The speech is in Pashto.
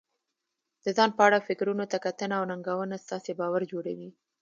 د ځان په اړه فکرونو ته کتنه او ننګونه ستاسې باور جوړوي.